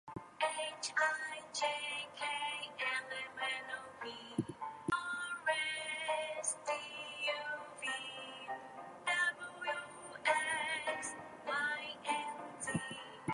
Newsom was the only other pitcher whose career spanned that of both hitters.